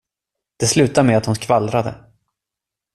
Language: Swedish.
Det slutade med att hon skvallrade.